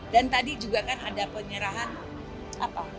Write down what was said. dan tadi juga kan ada penyerahan apa